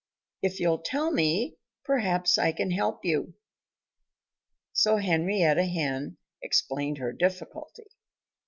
"If you'll tell me, perhaps I can help you." So Henrietta Hen explained her difficulty.